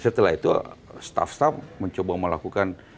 setelah itu staff staf mencoba melakukan